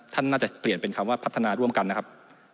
ท่านน่าจะเปลี่ยนเป็นคำว่าพัฒนาร่วมกันนะครับ